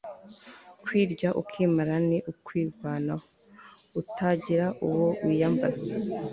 kwirya ukimara ni ukwirwanaho, utagira uwo wiyambaza